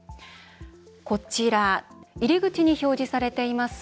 こちら入り口に表示されています